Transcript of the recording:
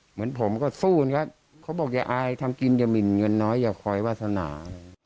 เหมือนผมก็สู้มันก็เขาบอกอย่าอายทำกินอย่าหมินเงินน้อยอย่าคอยวาสนา